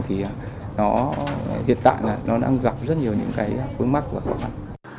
thì hiện tại nó đang gặp rất nhiều những cái khối mắc và khó khăn